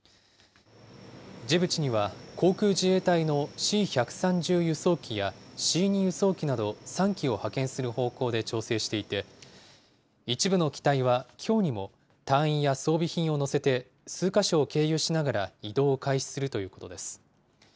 ジブチには航空自衛隊のＣ１３０輸送機やＣ２輸送機など３機を派遣する方向で調整していて、一部の機体はきょうにも隊員や装備品を乗せて数か所を経由しながら移動を開始するということです。